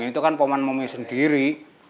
ini tuh kan paman momi sendiri